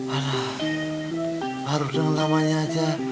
aduh harus dengan namanya aja